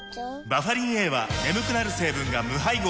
バファリンＡは眠くなる成分が無配合なんです